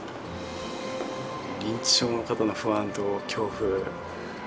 認知症の方の不安と恐怖。